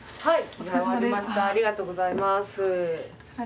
はい。